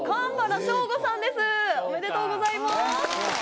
おめでとうございます！